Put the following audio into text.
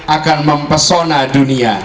akan mempesona dunia